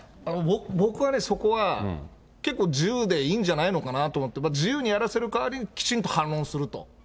僕はね、そこは結構自由でいいんじゃないかなと思って、自由にやらせる代わりにきちんと反論すると。